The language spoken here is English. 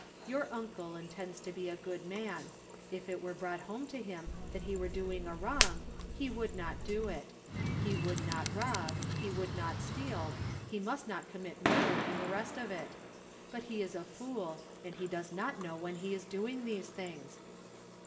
Your uncle intends to be a good man. If it were brought home to him that he were doing a wrong he would not do it. He would not rob; he would not steal; he must not commit murder, and the rest of it. But he is a fool, and he does not know when he is doing these things."